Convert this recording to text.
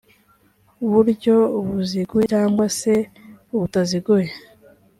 buryo buziguye cyangwa se butaziguye